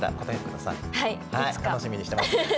楽しみにしてます。